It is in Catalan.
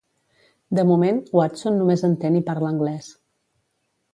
De moment, Watson només entén i parla anglès.